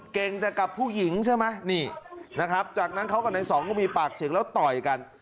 เก่งแต่กับผู้หญิงใช่ไหมนี่นะครับจากนั้นเขากับในสองก็มีปากเสียงแล้วต่อยกัน